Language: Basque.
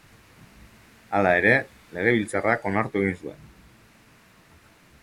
Hala ere, legebiltzarrak onartu egin zuen.